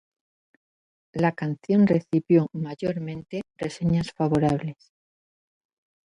La canción recibió mayormente reseñas favorables.